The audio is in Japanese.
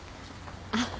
あっ。